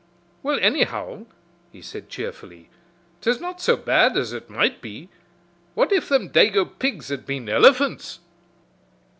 "Well, annyhow," he said cheerfully, "'tis not so bad as ut might be. What if thim dago pigs had been elephants!"